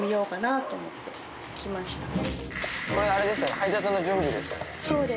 配達の準備ですよね